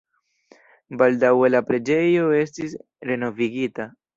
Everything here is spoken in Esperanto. Baldaŭe la preĝejo estis renovigita.